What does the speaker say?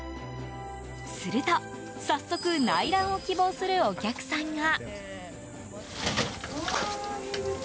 すると早速内覧を希望するお客さんが。